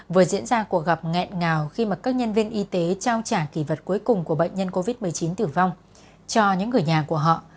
vừa diễn ra cuộc gặp nghẹn ngào khi mà các nhân viên y tế trao trả kỳ vật cuối cùng của bệnh nhân covid một mươi chín tử vong cho những người nhà của họ